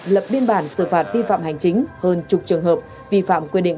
lập biên bản xử phạt vi phạm hành chính hơn chục trường hợp vi phạm quy định